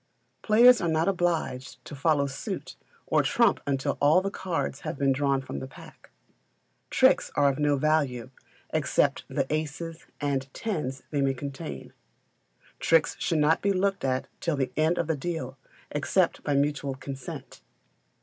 Players are not obliged to follow suit or trump until all the cards have been drawn from the pack. Tricks are of no value, except for the aces and tens they may contain. Tricks should not be looked at till the end of the deal, except by mutual consent.